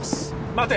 待て！